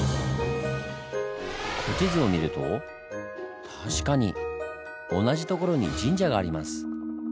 古地図を見ると確かに同じ所に神社があります。